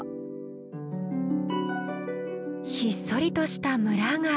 ひっそりとした村が。